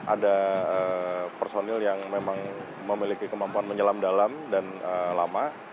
ada personil yang memang memiliki kemampuan menyelam dalam dan lama